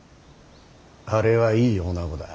あれはいい女子だ。